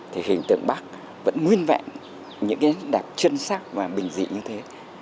thì hình tượng bắc vẫn nguyên vẹn những cái đẹp chân sắc và bình dị như thế